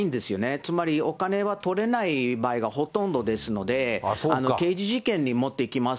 つまり、お金取れない場合がほとんどですので、刑事事件に持っていきます。